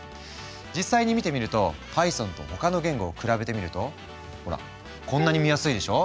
実際に見てみるとパイソンと他の言語を比べてみるとほらこんなに見やすいでしょ。